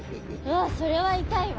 わそれは痛いわ。